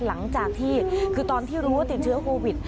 หลังจากที่คือตอนที่รู้ว่าติดเชื้อโควิด